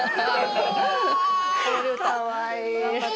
かわいい！